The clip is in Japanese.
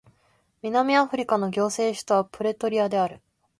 南アフリカの行政首都はプレトリアである